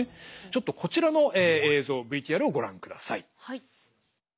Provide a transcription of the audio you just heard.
ちょっとこちらの映像ＶＴＲをご覧ください。